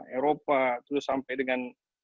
eropa terus sampai dengan